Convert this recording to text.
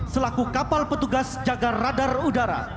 selaku kapal petugas jaga radar udara